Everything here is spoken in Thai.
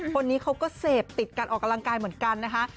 คนนี้เขาก็เสพติดการออกกำลังกายเหมือนกันนะคะ